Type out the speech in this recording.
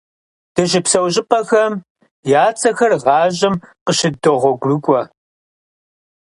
Дыщыпсэу щӀыпӀэхэм я цӀэхэр гъащӀэм къыщыддогъуэгурыкӀуэ.